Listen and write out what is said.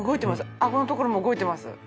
あごのところも動いてます。